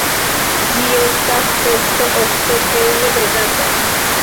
Ĝi estas besto ofte hejme bredata.